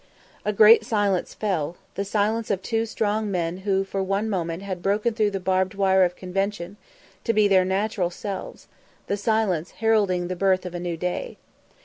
A great silence fell; the silence of two strong men who for one moment had broken through the barbed wire of convention, to be their natural selves; the silence heralding the birth of a new day.